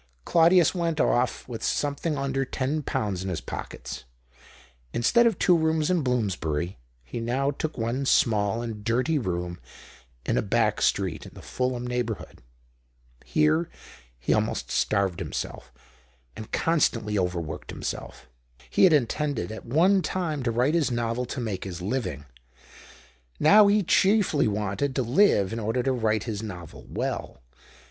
Claudius went off with something under ten pounds in his pockets. Instead of two rooms in Bloomsbury he now took one small and dirty room in a back street in the Ful ham neighbourhood. Here he almost starved 88 THE OCTAVE OF CLAUDIUS. himself and constantly overworked himself. He had intended at one time to write his novel to make his living ; now he chiefly wanted to live in order to write his novel well.